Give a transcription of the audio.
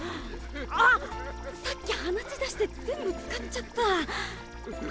あっさっき鼻血出して全部使っちゃった。